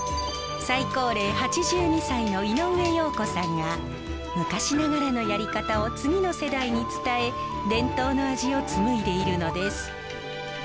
最高齢８２歳の井上容子さんが昔ながらのやり方を次の世代に伝え伝統の味を紡いでいるのです。